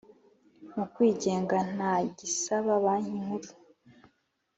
Mukwigenga nta gisaba Banki Nkuru